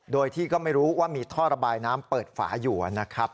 โดยที่ก็ไม่รู้ว่ามีท่อระบายน้ำเปิดฝาอยู่นะครับ